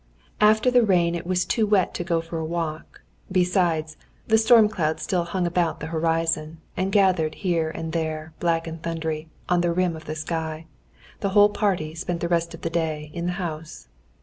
After the rain it was too wet to go for a walk; besides, the storm clouds still hung about the horizon, and gathered here and there, black and thundery, on the rim of the sky. The whole party spent the rest of the day in the house.